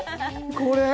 これ？